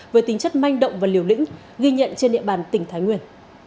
với tính chất manh động và liều lĩnh ghi nhận trên địa bàn tỉnh thái nguyên